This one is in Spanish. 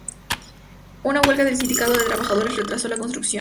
Una huelga del sindicato de trabajadores retrasó la construcción.